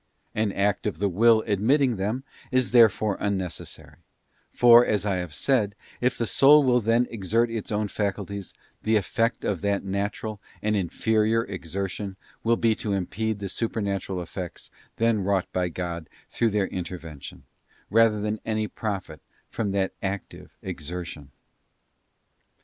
An act of the will admitting them is therefore unnecessary, for, as I have said, if the soul will then exert its own faculties, the effect of that natural and inferior exertion will be to impede the supernatural effects then wrought by God through their intervention, rather than any profit from that active exertion.